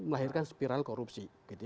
melahirkan spiral korupsi